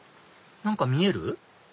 何か見える？